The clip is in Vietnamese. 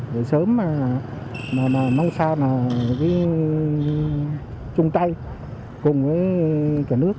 để sớm mong sao là chung tay cùng với cả nước